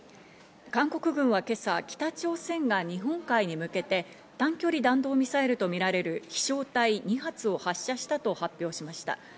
韓国軍は今朝、北朝鮮が日本海に向けて短距離弾道ミサイルとみられる飛翔体２発を発射したと発表しました。